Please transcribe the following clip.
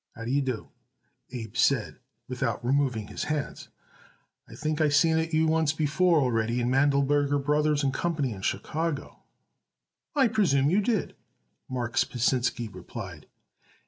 "How d'ye do?" Abe said without removing his hands. "I think I seen you oncet before already in Mandleberger Brothers & Co., in Chicago." "I presume you did," Marks Pasinsky replied.